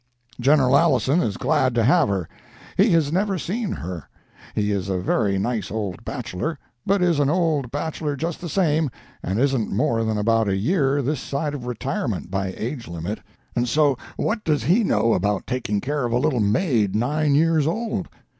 General Alison is glad to have her. He has never seen her. He is a very nice old bachelor, but is an old bachelor just the same and isn't more than about a year this side of retirement by age limit; and so what does he know about taking care of a little maid nine years old?